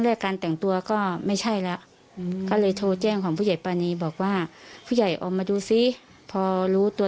อ๋อแหว่งไม่ใช่ขาดใช่ไหมครับ